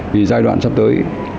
vì giai đoạn sắp tới